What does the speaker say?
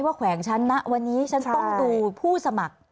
แขวงฉันนะวันนี้ฉันต้องดูผู้สมัคร